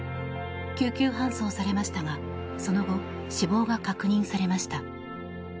救急搬送されましたがその後、死亡が確認されました。